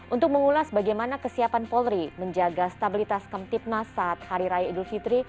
untuk mengulas bagaimana kesiapan polri menjaga stabilitas kemtipmas saat hari raya idul fitri